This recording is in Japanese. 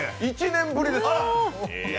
１年ぶりですよ。